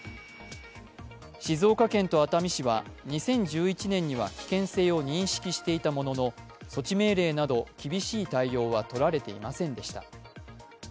静岡県と熱海市は２０１１年には危険性を認識していたものの措置命令など厳しい対応はとられていませんでした。